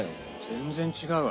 全然違う。